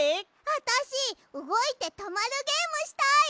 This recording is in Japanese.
あたしうごいてとまるゲームしたい。